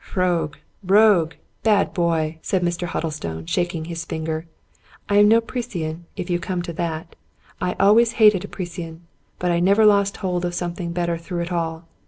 " Rogue, rogue ! bad boy !" said Mr. Huddlestone, shak ing his finger. " I am no precisian, if you come to that ; I always hated a precisian ; but I never lost hold of something better through it all.